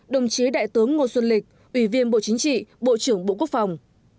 một mươi ba đồng chí đại tướng ngô xuân lịch ủy viên bộ chính trị bộ trưởng bộ quốc phòng